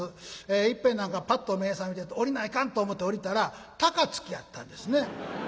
いっぺん何かぱっと目ぇ覚めて「降りないかん」と思て降りたら高槻やったんですね。